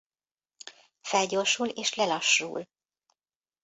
Felgyorsul és lelassul.